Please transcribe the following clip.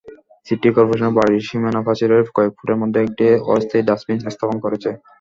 City corporation বাড়ির সীমানাপ্রাচীরের কয়েক ফুটের মধ্যে একটি অস্থায়ী ডাস্টবিন স্থাপন করেছে।